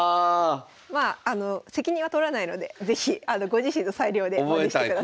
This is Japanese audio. まああの責任は取らないので是非ご自身の裁量で試してください。